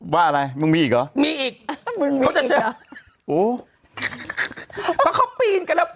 ว่าอะไรมึงมีอีกหรอ